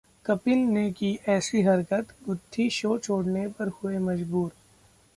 कपिल ने की ऐसी हरकत, गुत्थी शो छोड़ने पर हुए मजबूर!